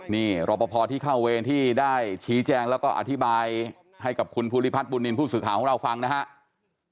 นี่รอปภที่เข้าเวรที่ได้ชี้แจงแล้วก็อธิบายให้กับคุณภูริพัฒนบุญนินทร์ผู้สื่อข่าวของเราฟังนะครับ